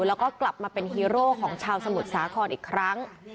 แล้วก็กลับมาเป็นฮีโร่ของชาวสมุทรสาครอีกครั้ง